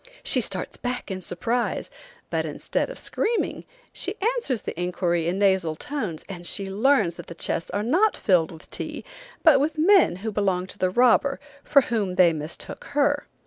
She starts back in surprise, but instead of screaming, she answers the inquiry in nasal tones, and she learns that the chests are not filled with tea, but with men who belong to the robber, for whom they mistook her.